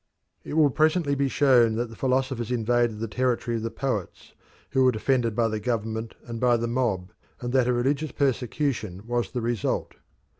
It will presently be shown that the philosophers invaded the territory of the poets, who were defended by the government and by the mob, and that a religious persecution was the result.